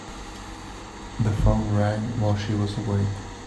The phone rang while she was awake.